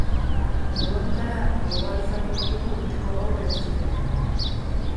Modu honetara, gogoan izango ditugu urteko gau berezienean.